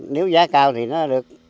nếu giá cao thì nó được